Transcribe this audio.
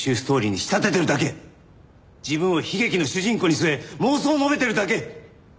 自分を悲劇の主人公に据え妄想を述べているだけ。